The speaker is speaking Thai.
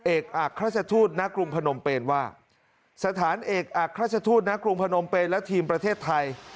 เอกอักราชทูตณกรุงพนมเป็นว่าสถานเอกอักราชทูตณกรุงพนมเป็นและทีมประเทศไทย